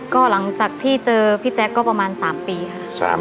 ก็หลังจากที่เจอพี่แจ๊คก็ประมาณ๓ปีค่ะ